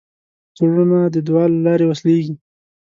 زړونه د دعا له لارې وصلېږي.